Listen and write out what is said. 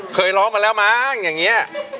เคยร้องมาแล้วมั้งอย่างนี้